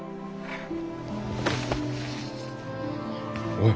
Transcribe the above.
おい。